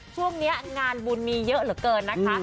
ช่วงนี้งานบุญมีเยอะเหลือเกินนะคะ